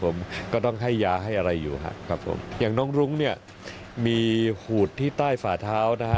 ผมก็ต้องให้ยาให้อะไรอยู่ครับครับผมอย่างน้องรุ้งเนี่ยมีหูดที่ใต้ฝ่าเท้านะฮะ